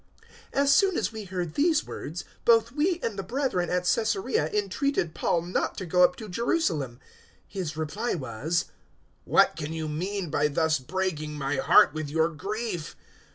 '" 021:012 As soon as we heard these words, both we and the brethren at Caesarea entreated Paul not to go up to Jerusalem. 021:013 His reply was, "What can you mean by thus breaking my heart with your grief?